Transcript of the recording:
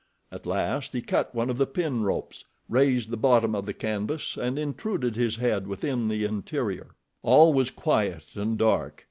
At last he cut one of the pin ropes, raised the bottom of the canvas, and intruded his head within the interior. All was quiet and dark.